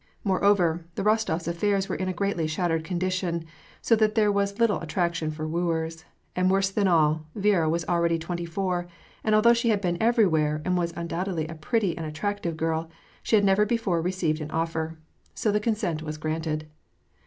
Moreover, the Rostofs' affairs were in a greatly shattered condition, so that there was little attrac tion for wooers ; and worse than all, Viera was already twenty four, and although she had been everywhere, and was undoubt edly a pretty and attractive girl, she had never before received an offer. So the consent was granted.